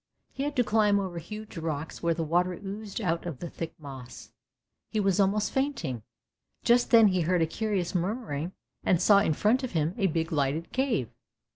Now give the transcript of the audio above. He had to climb over huge rocks where the water oozed out of the thick moss. He was almost fainting; just then he heard a curious murmuring and saw in front of him a big lighted cave.